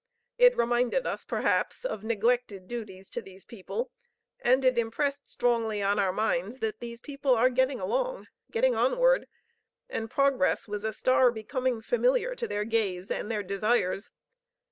It reminded us, perhaps, of neglected duties to these people, and it impressed strongly on our minds that these people are getting along, getting onward, and progress was a star becoming familiar to their gaze and their desires.